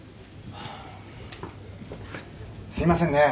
すいませんね